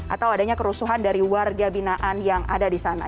atau adanya kerusuhan dari warga binaan yang ada di sana